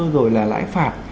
rồi là lãi phạt